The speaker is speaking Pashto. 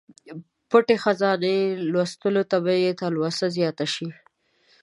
پټې خزانې لوستلو ته به یې تلوسه زیاته شي.